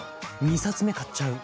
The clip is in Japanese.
２冊目買っちゃう。